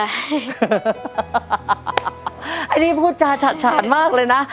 ไอ้นี่พูดจาถ์ฉันมากเลยนะ